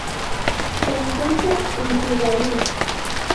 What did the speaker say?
Se encuentra en Tuvalu.